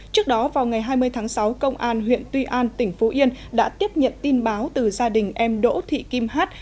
trước đó vào ngày hai mươi tháng sáu công an huyện tuy an tỉnh phú yên đã tiếp nhận tin báo từ gia đình em đỗ thị kim hát